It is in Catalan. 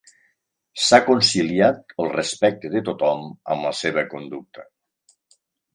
S'ha conciliat el respecte de tothom amb la seva conducta.